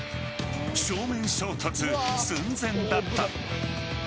正面衝突寸前だった。